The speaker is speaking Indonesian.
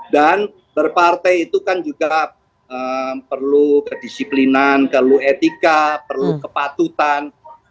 dan berpartai itu kan juga perlu kedisiplinan perlu etika perlu kepatutan